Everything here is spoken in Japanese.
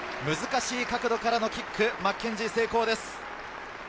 難しい角度からのキック、マッケンジー、成功です。